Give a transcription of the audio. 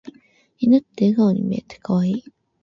犬って笑顔に見えて可愛い。